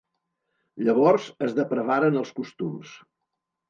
Llavors es depravaren els costums.